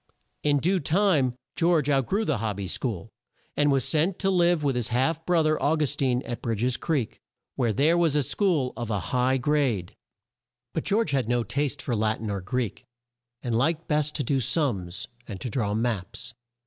In due time George out grew the Hob by School, and was sent to live with his half bro ther Au gus tine, at Bridg es Creek, where there was a school of a high grade. But George had no taste for Lat in or Greek, and liked best to do sums, and to draw maps.